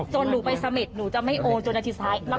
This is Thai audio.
หนูไปเสม็ดหนูจะไม่โอจนนาทีสุดท้าย